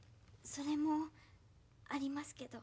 それもありますけど。